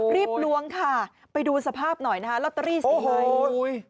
รีบล้วงค่ะไปดูสภาพหน่อยนะคะลอตเตอรี่๔ใบ